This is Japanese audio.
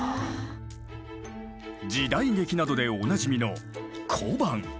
時代劇などでおなじみの小判。